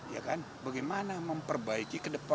ya kan bagaimana memperbaiki ke depan